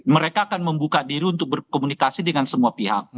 mereka akan membuka diri untuk berkomunikasi dengan semua pihak